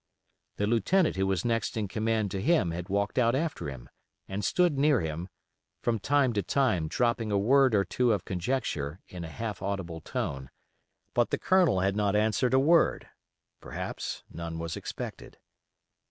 The lieutenant who was next in command to him had walked out after him, and stood near him, from time to time dropping a word or two of conjecture in a half audible tone; but the Colonel had not answered a word; perhaps none was expected.